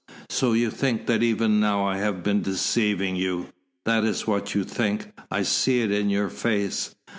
"So you think that even now I have been deceiving you? That is what you think. I see it in your face."